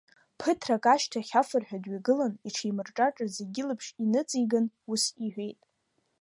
Ԥыҭрак ашьҭахь, афырҳәа дҩагылан, иҽеимырҿаҿа, зегь илаԥш иныҵиган, ус иҳәеит…